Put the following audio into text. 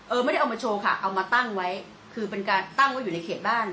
ไม่ได้เอามาโชว์ค่ะเอามาตั้งไว้คือเป็นการตั้งไว้อยู่ในเขตบ้าน